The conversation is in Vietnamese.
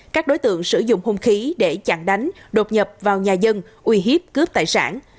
các đối tượng sử dụng hung khí để chặn đánh đột nhập vào nhà dân uy hiếp cướp tài sản